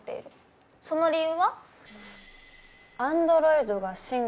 その理由は？かな。